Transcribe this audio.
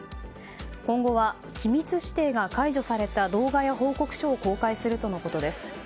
今後は機密指定が解除された動画や報告書を公開するとのことです。